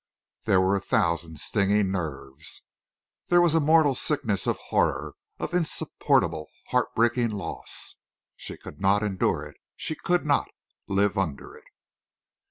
There were a thousand stinging nerves. There was a mortal sickness of horror, of insupportable heartbreaking loss. She could not endure it. She could not live under it.